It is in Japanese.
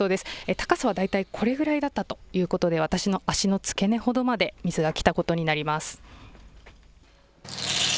高さは大体これぐらいだったということで私の足の付け根ほどまで水が来たことになります。